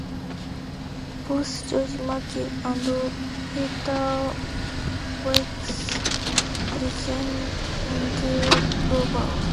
Both George Mackie and Peter Wilks rejoined Rover.